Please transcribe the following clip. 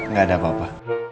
enggak ada apa apa